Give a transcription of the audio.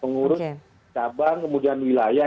pengurus cabang kemudian wilayah